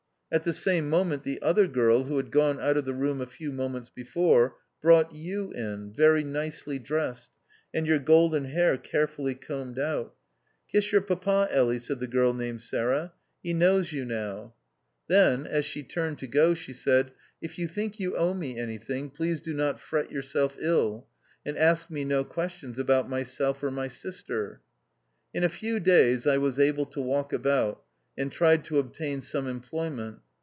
At the same moment the other girl who had gone out of the room a few moments before, brought you in, very nicely dressed, and your golden hair carefully combed out. " Kiss your papa, Elly," said the girl named Sarah, " he knows you now. 220 THE OUTCAST. Then, as she turned to go, she said, " If you think you owe me anything, please do not fret yourself ill, and ask me no questions about myself or my sister." In a few days I was able to walk about, and tried to obtain some employment.